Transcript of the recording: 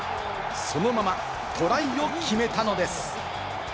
そのままトライを決めたのです。